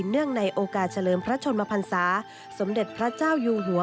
เนื่องในโอกาสเฉลิมพระชนมพันศาสมเด็จพระเจ้าอยู่หัว